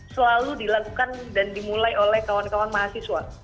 selalu dilakukan dan dimulai oleh kawan kawan mahasiswa